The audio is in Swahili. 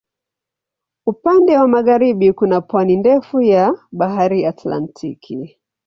Upande wa magharibi kuna pwani ndefu ya Bahari Atlantiki.